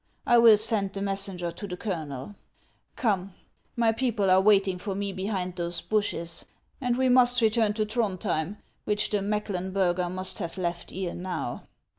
I will send the messenger to the colonel. Come, my people are waiting for me behind those bushes, and we must return to Throndhjem, which the Mecklen burger must have left ere now.